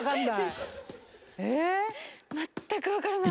森川）全く分からない。